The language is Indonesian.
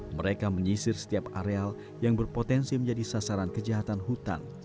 mereka menyisir setiap areal yang berpotensi menjadi sasaran kejahatan hutan